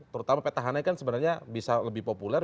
terutama petahana kan sebenarnya bisa lebih populer